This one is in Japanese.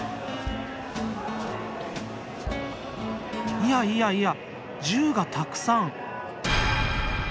いやいやいや銃がたくさん！